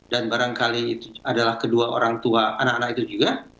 dan barangkali itu adalah kedua orang tua anak anak itu juga